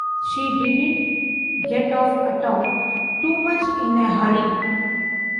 She didn't get off at all—too much in a hurry.